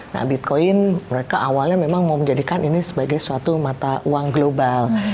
nah bitcoin mereka awalnya memang mau menjadikan ini sebagai suatu mata uang global